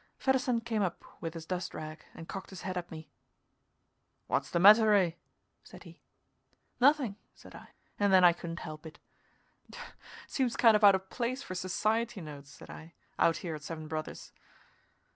Fedderson came up with his dust rag and cocked his head at me. "What's the matter, Ray?" said he. "Nothing," said I. And then I couldn't help it. "Seems kind of out of place for society notes," said I, "out here at Seven Brothers."